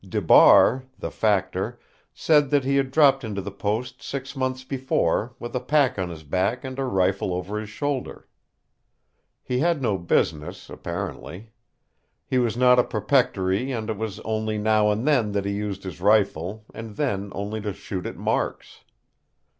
DeBar, the factor, said that he had dropped into the post six months before, with a pack on his back and a rifle over his shoulder. He had no business, apparently. He was not a propectory and it was only now and then that he used his rifle, and then only to shoot at marks.